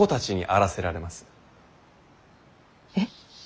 えっ。